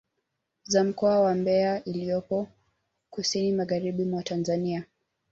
Za mkoa wa Mbeya iliyopo kusini magharibi mwa Tanzania